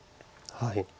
はい。